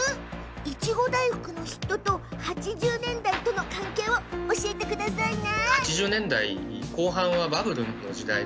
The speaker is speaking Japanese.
いちご大福のヒットと８０年代との関係を教えてくださいな。